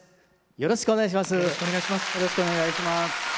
よろしくお願いします。